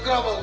pak pak pak